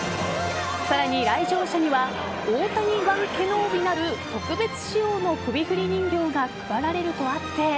さらに来場者にはオオタニ＝ワン・ケノービなる特別仕様の首振り人形が配られるとあって。